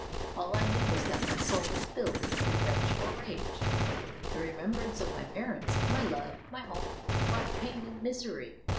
All I knew was that my soul was filled with revengeful rage. The remembrance of my parents, my love, my home, brought pain and misery.